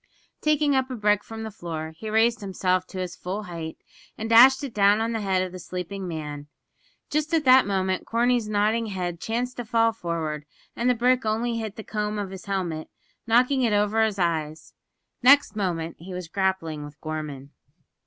Taking up a brick from the floor, he raised himself to his full height, and dashed it down on the head of the sleeping man. Just at that moment Corney's nodding head chanced to fall forward, and the brick only hit the comb of his helmet, knocking it over his eyes. Next moment he was grappling with Gorman.